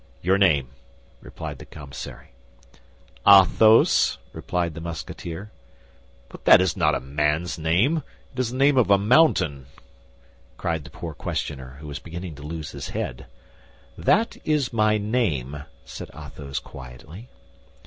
"Your name?" replied the commissary. "Athos," replied the Musketeer. "But that is not a man's name; that is the name of a mountain," cried the poor questioner, who began to lose his head. "That is my name," said Athos, quietly.